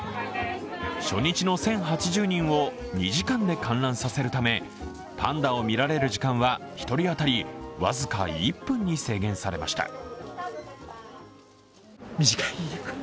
初日の１０８０人を２時間で観覧させるため、パンダを見られる時間は１人当たり僅か１分に制限されました。